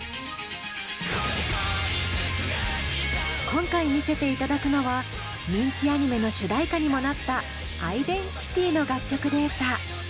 今回見せていただくのは人気アニメの主題歌にもなった「アイデンティティ」の楽曲データ。